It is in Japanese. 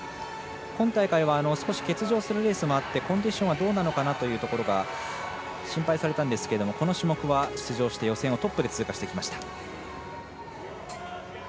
今大会は欠場するレースもあってコンディションはどうなのかなと心配されたんですがこの種目は出場して予選をトップで通過してきました。